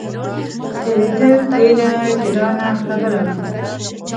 تېرېدل ډېره ګرانه خبره وه.